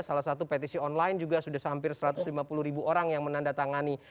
salah satu petisi online juga sudah hampir satu ratus lima puluh ribu orang yang menandatangani